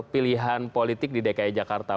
pilihan politik di dki jakarta